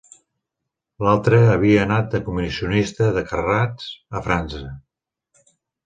L'altre havia anat de comissionista de carrats a França.